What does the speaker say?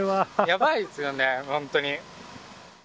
やばいですよね、本当に。